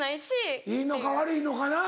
いいのか悪いのかなぁ。